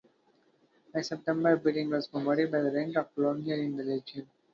By September, Billings was promoted to the rank of colonel in the legion.